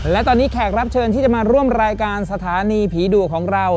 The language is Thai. และตอนนี้แขกรับเชิญที่จะมาร่วมรายการสถานีผีดุของเรา